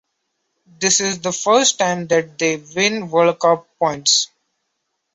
This is the first time that they win World Cup points.